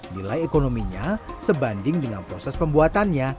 nilai ekonominya sebanding dengan proses pembuatannya